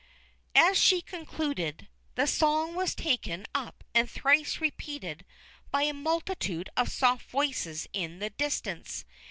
_" As she concluded, the song was taken up and thrice repeated by a multitude of soft voices in the distance.